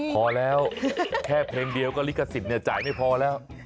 พอแล้วแค่เพลงเดียวก็วกฎศิษย์เนี่ยจ่ายไม่พอแล้ว